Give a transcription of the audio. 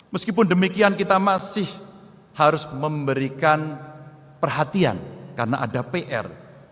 meskipun demikian kita masih harus memberikan perhatian karena ada pr